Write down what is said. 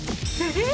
えっ？